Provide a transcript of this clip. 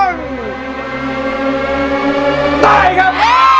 ได้ครับ